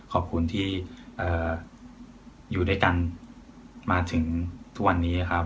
ขอบคุณที่อยู่ด้วยกันมาถึงทุกวันนี้ครับ